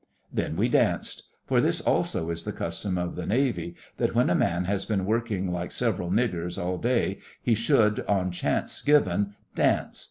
Then we danced; for this also is the custom of the Navy, that when a man has been working like several niggers all day he should, on chance given, dance.